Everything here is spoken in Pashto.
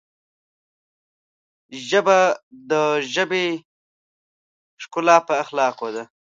ژبه د ژبې ښکلا په اخلاقو ده